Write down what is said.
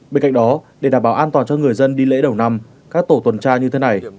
bên cạnh đó để đảm bảo an toàn cho người dân đi lễ đầu năm các tổ tuần tra như thế này